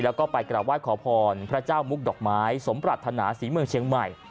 แล้วก็ไปกลับไหว้ขอพรพระเจ้ามุกดอกไม้สมปรัฐนาศรีเมืองเชียงใหม่